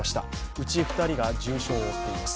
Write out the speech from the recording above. うち２人が重傷を負っています。